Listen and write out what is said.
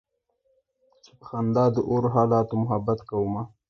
چې په خندا د اور حالاتو محبت کومه